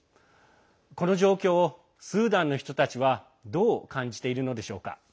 この状況をスーダンの人たちはどう感じているのでしょうか。